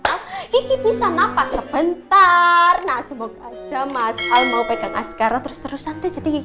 kiki bisa nafas sebentar semoga aja mas al mau pegang askara terus terusan jadi